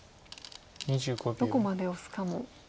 どこまでオスかも。